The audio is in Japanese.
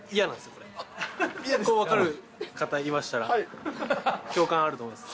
これ、分かる方いましたら、共感あると思います。